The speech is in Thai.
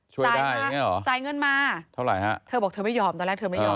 จ่ายเงินมาเธอบอกว่าเธอไม่ยอมตอนแรกเธอไม่ยอม